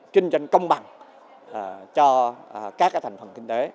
kinh doanh công bằng cho các thành phần kinh tế